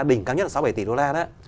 đỉnh cao nhất là sáu mươi bảy tỷ đô la đó